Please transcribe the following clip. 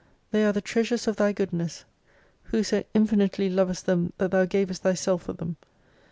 They are the treasures of Thy goodness. Who so infinitely lovest them that Thou gavest Thyself for them.